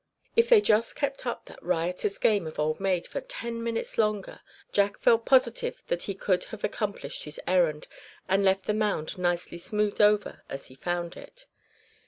If they just kept up that riotous game of "Old Maid" for ten minutes longer, Jack felt positive that he could have accomplished his errand, and left the mound nicely smoothed over as he found it.